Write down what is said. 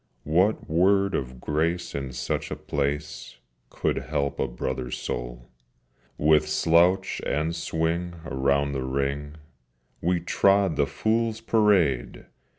What word of grace in such a place Could help a brother's soul? With slouch and swing around the ring We trod the Fools' Parade!